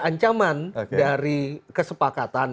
ancaman dari kesepakatan